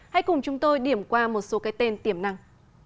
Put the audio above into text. hãy cùng chúng tôi điểm qua một số cái tên tiềm năng